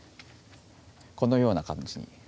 このような感じに。